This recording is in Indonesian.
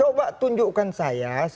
coba tunjukkan saya